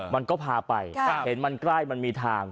มันก็พาไปเห็นมันใกล้มันมีทาง